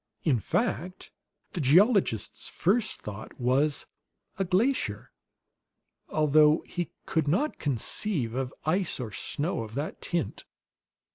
In fact, the geologist's first thought was "A glacier," although he could not conceive of ice or snow of that tint.